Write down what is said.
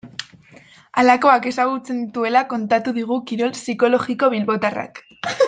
Halakoak ezagutzen dituela kontatu digu kirol psikologo bilbotarrak.